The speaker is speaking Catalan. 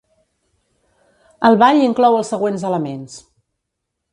El ball inclou els següents elements.